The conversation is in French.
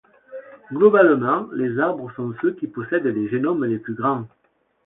Globalement, les arbres sont ceux qui possèdent les génomes les plus grands.